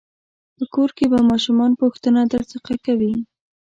په کور کې به ماشومان پوښتنه درڅخه کوي.